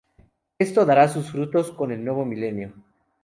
Esto dará sus frutos con el nuevo milenio.